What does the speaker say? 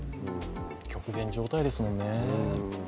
極限状態ですもんね。